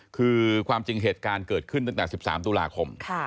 คือความจริงเหตุการณ์เกิดขึ้นตั้งแต่๑๓ตุลาคม